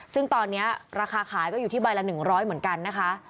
ซึ่งตอนนี้ราคาขายก็อยู่ที่ใบละ๑๐๐เหมือนกันนะคะ